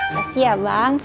kasih ya bang